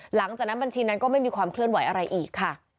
หลังจากนั้นบัญชีนั้นก็ไม่มีความเคลื่อนไหวอะไรอีกค่ะ